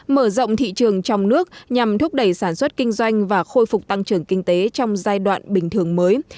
mở rộng thị trường trong nước nhằm thúc đẩy sản xuất kinh doanh và khôi phục tăng trưởng kinh tế trong giai đoạn bình thường mới